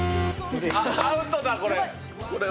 アウトだこれ。